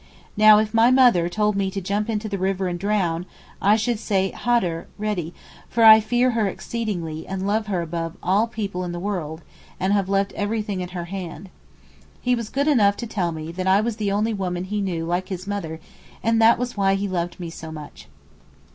'Now if my mother told me to jump into the river and drown I should say hader (ready), for I fear her exceedingly and love her above all people in the world, and have left everything in her hand.' He was good enough to tell me that I was the only woman he knew like his mother and that was why he loved me so much.